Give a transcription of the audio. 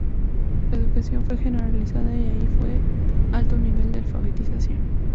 La educación fue generalizada, y allí fue alto nivel de alfabetización.